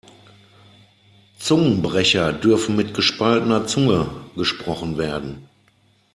Zungenbrecher dürfen mit gespaltener Zunge gesprochen werden.